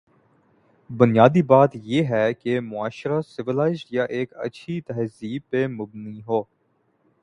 بنیادی بات یہ ہے کہ معاشرہ سولائزڈ یا ایک اچھی تہذیب پہ مبنی ہو۔